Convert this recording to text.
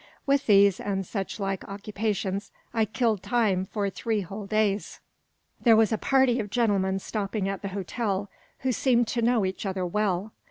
With these and such like occupations, I killed time for three whole days. There was a party of gentlemen stopping at the hotel, who seemed to know each other well.